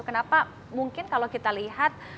kenapa mungkin kalau kita lihat